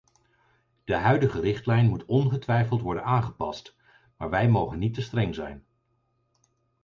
De huidige richtlijn moet ongetwijfeld worden aangepast, maar wij mogen niet te streng zijn.